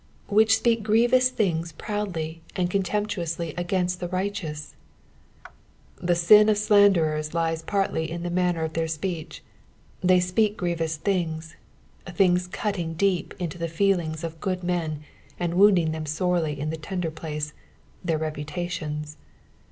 " Which tpeai grietouM thing* proadly and oi>nt«tnplw>udy againit the ri^teout." The sin of elandererg lies parti; in the matter of their speech ; ''they speak grievous things;" things cutting deep into, the feelings of good, men, and wounding them sorely in tnat tender place — their reputntions.